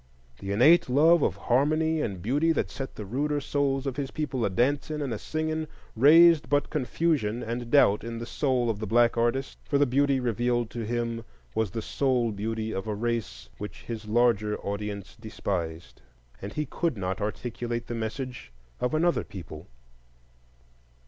The innate love of harmony and beauty that set the ruder souls of his people a dancing and a singing raised but confusion and doubt in the soul of the black artist; for the beauty revealed to him was the soul beauty of a race which his larger audience despised, and he could not articulate the message of another people.